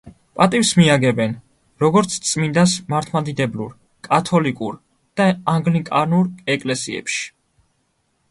პატივს მიაგებენ, როგორც წმინდანს მართლმადიდებლურ, კათოლიკურ და ანგლიკანურ ეკლესიებში.